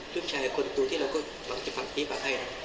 คุณชายคนตัวที่เราก็หวังจะฟังพี่ฟังให้นะ